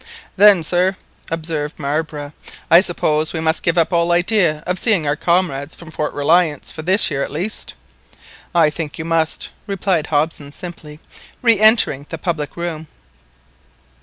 "Then, sir," observed Marbre, "I suppose we must give up all idea of seeing our comrades from Fort Reliance for this year at least?" "I think you must," replied Hobson simply, re entering the public room.